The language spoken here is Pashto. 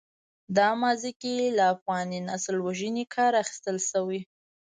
دا ماضي کې له افغاني نسل وژنې کار اخیستل شوی.